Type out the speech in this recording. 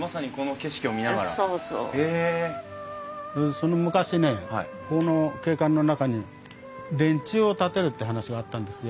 その昔ねこの景観の中に電柱を建てるって話があったんですよ。